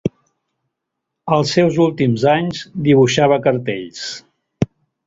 Als seus últims anys dibuixava cartells.